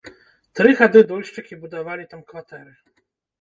Тры гады дольшчыкі будавалі там кватэры.